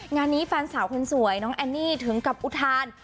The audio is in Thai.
งานนี้แฟนสาวคนสวยน้องแอนนี่ถึงกับอุทาน